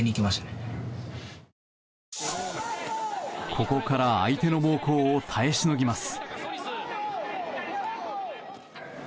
ここから相手の猛攻を耐えしのぎます。